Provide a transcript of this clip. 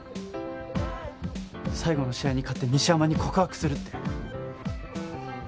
最後の試合に勝って西山に告白するって。